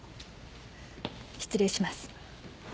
失礼します。